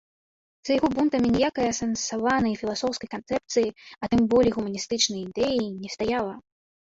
За яго бунтам ніякай асэнсаванай філасофскай канцэпцыі, а тым болей гуманістычнай ідэі не стаяла.